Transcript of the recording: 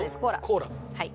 コーラ。